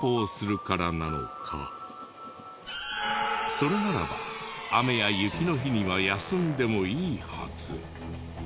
それならば雨や雪の日には休んでもいいはず。